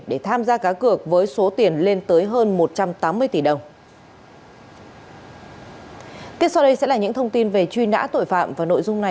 để tham gia cá cược với số tiền lên tới hơn một trăm linh